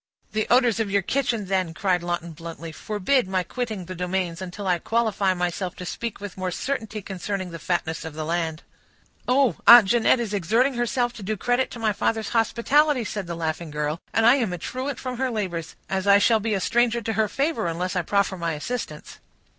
"The odors of your kitchen, then," cried Lawton bluntly, "forbid my quitting the domains, until I qualify myself to speak with more certainty concerning the fatness of the land." "Oh! Aunt Jeanette is exerting herself to do credit to my father's hospitality," said the laughing girl, "and I am a truant from her labors, as I shall be a stranger to her favor, unless I proffer my assistance."